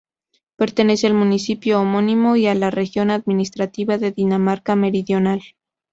Pertenece al municipio homónimo y a la región administrativa de Dinamarca Meridional.